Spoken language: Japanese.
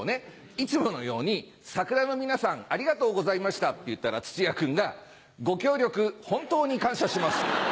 いつものように「サクラの皆さんありがとうございました」って言ったら土屋君が「ご協力本当に感謝します」。